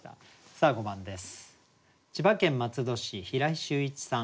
さあ５番です。